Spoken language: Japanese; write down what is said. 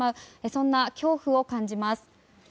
そんな恐怖を感じます。